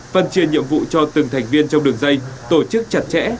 phân triên nhiệm vụ cho từng thành viên trong đường dây tổ chức chặt chẽ